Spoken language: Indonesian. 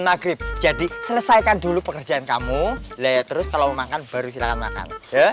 maghrib jadi selesaikan dulu pekerjaan kamu ya terus kalau makan baru silakan makan